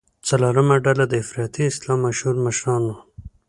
څلورمه ډله د افراطي اسلام مشهور مشران وو.